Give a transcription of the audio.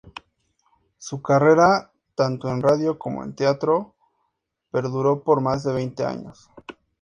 Su carrera tanto en radio como en teatro perduró por más de veinte años.